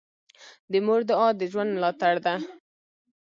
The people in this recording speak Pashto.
د مور دعا د ژوند ملاتړ ده.